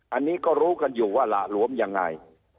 อันนี้ก็รู้กันอยู่ว่าหละหลวมยังไง